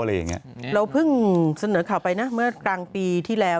เราเพิ่งเสนอข่าวไปนะเมื่อกลางปีที่แล้ว